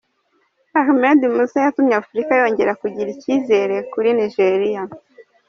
Ahmed Musa yatumye Afurika yongera kugira icyizere kuri Nigeria.